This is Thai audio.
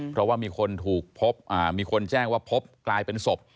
เพราะว่ามีคนถูกพบมีคนแจ้งว่าพบกลายเป็นศพ